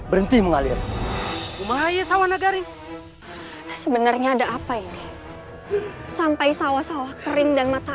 berhenti mengalir bahaya sama nagari sebenarnya ada apa ini sampai sawah sawah kering dan mata